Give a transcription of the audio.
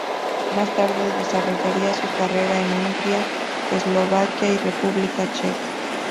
Más tarde, desarrollaría su carrera en Hungría, Eslovaquia y República Checa.